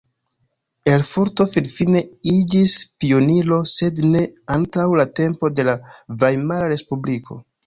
Erfurto finfine iĝis pioniro, sed ne antaŭ la tempo de la Vajmara Respubliko.